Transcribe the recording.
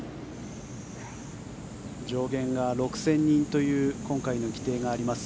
上限が６０００人という今回の規定があります。